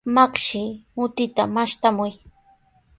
Makshi, mutita mashtamuy.